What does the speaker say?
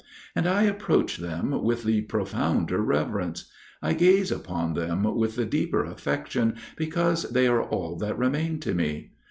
And I approach them with the profounder reverence; I gaze upon them with the deeper affection, because they are all that remain to me.